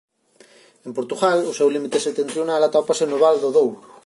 En Portugal o seu límite setentrional atópase no val do Douro.